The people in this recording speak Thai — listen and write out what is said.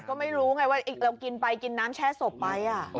ก็ไม่รู้ไงว่าเรากินไปกินน้ำแช่ศพไป